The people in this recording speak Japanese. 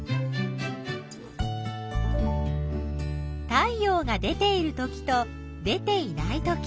太陽が出ているときと出ていないとき。